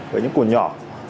với những củ nhỏ